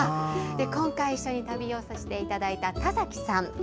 今回、一緒に旅をさせていただいた田崎真也さん。